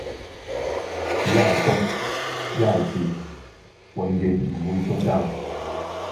一係公一係字，永遠唔會中間